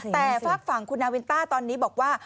แต่ฝากฝั่งคุณนาวินต้าตอนนี้บอกว่า